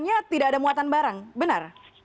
artinya tidak ada muatan barang benar